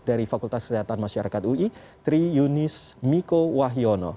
dari fakultas kesehatan masyarakat ui tri yunis miko wahyono